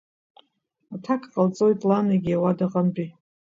Аҭак ҟалҵоит лан егьи ауада аҟынтәи.